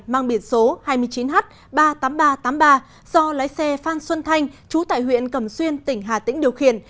mang biển số hai mươi chín h ba mươi tám nghìn ba trăm tám mươi ba do lái xe phan xuân thanh chú tại huyện cẩm xuyên tỉnh hà tĩnh điều khiển